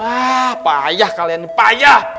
ah payah kalian payah